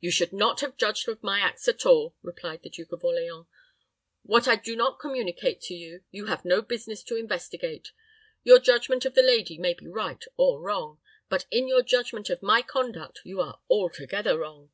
"You should not have judged of my acts at all," replied the Duke of Orleans. "What I do not communicate to you, you have no business to investigate. Your judgment of the lady may be right or wrong; but in your judgment of my conduct you are altogether wrong.